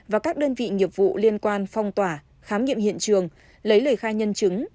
và các đơn vị nghiệp vụ liên quan phong tỏa khám nghiệm hiện trường lấy lời khai nhân chứng